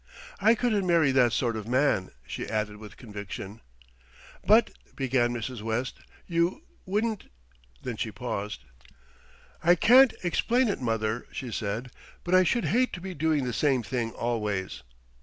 I couldn't marry that sort of man," she added with conviction. "But " began Mrs. West. "You wouldn't " Then she paused. "I can't explain it, mother," she said, "but I should hate to be doing the same thing always."